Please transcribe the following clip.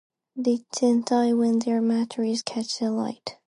They then die when their mattress catches alight.